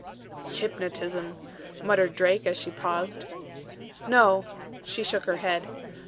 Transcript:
"Hypnotism," muttered Drake, as she paused. "No." She shook her head.